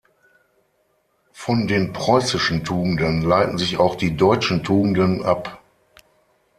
Von den preußischen Tugenden leiten sich auch die deutschen Tugenden ab.